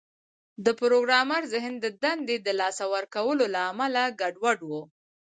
د پروګرامر ذهن د دندې د لاسه ورکولو له امله ګډوډ و